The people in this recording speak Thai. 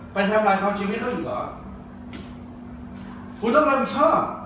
ไปทำลายความชีวิตเขาอีกเหรอคุณต้องรับผิดชอบ